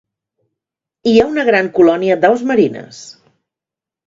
Hi ha una gran colònia d'aus marines.